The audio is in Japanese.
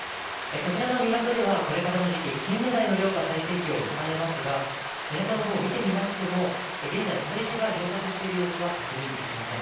こちらの港では、これからの時期、キンメダイの漁が最盛期を迎えますが、港のほう、見てみましても、現在、軽石が漂着している様子は確認できません。